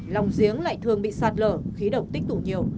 lòng giếng lại thường bị sạt lở khí động tích tủ nhiều